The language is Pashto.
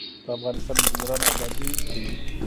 د افغانستان انجنیران ابادي کوي